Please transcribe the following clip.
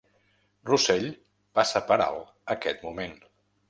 Russell passa per alt aquest moment.